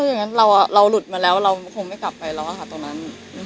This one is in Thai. อย่างนั้นเราหลุดมาแล้วเราคงไม่กลับไปแล้วค่ะตรงนั้น